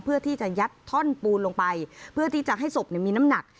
เพื่อที่จะยัดท่อนปูนลงไปเพื่อที่จะให้ศพมีน้ำหนัก